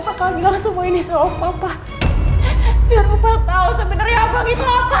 bang jangan pernah setuju aku lagi